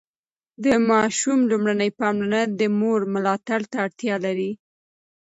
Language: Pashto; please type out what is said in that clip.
د ماشوم لومړني پاملرنه د مور ملاتړ ته اړتیا لري.